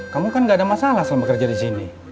kamu kan gak ada masalah selama kerja di sini